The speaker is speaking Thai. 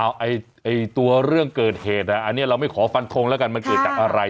เอาตัวเรื่องเกิดเหตุอันนี้เราไม่ขอฟันทงแล้วกันมันเกิดจากอะไร